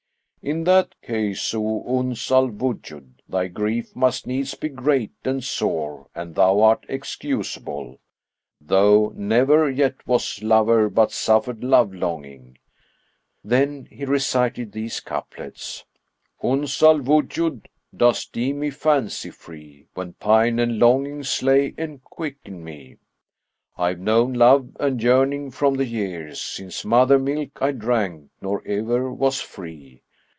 In that case, O Uns al Wujud, thy grief must needs be great and sore and thou art excusable, though never yet was lover but suffered love longing." Then he recited these couplets, "Uns al Wujud, dost deem me fancy free, * When pine and longing slay and quicken me? I have known love and yearning from the years * Since mother milk I drank, nor e'er was free.